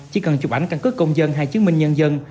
chỉ cần chụp ảnh căn cứ công dân hay chứng minh nhân dân